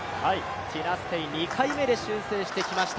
ティナ・ステイ、２回目で修正してきました。